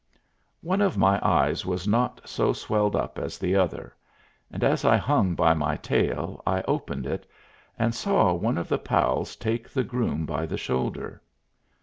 One of my eyes was not so swelled up as the other, and as I hung by my tail, I opened it, and saw one of the pals take the groom by the shoulder.